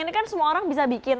ini kan semua orang bisa bikin